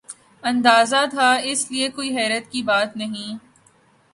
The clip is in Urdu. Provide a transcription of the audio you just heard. اندازہ تھا ، اس لئے کوئی حیرت کی بات نہیں ۔